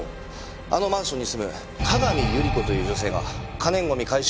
あのマンションに住む各務百合子という女性が可燃ゴミ回収